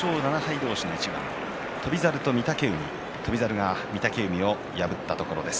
同士の一番翔猿と御嶽海翔猿が御嶽海を破ったところです。